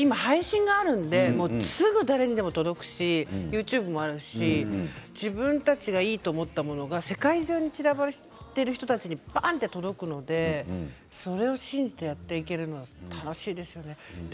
今、配信があるのでいつでも誰にも届くしＹｏｕＴｕｂｅもあるので自分たちがいいと思ったことが世界中の人に届くのでそれを信じてやっていけるのはすごく楽しいですよね。